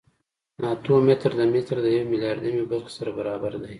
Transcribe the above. ناتو متر د متر د یو میلیاردمه برخې سره برابر دی.